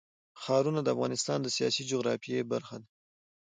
ښارونه د افغانستان د سیاسي جغرافیه برخه ده.